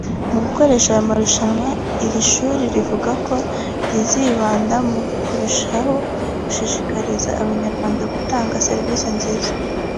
Mu gukoresha aya marushanwa iri shuri rivuga ko rizibanda mu kurushaho gushishikariza Abanyarwanda gutanga serivisi nziza